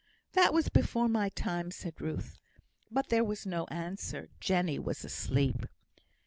"That was before my time," said Ruth. But there was no answer. Jenny was asleep.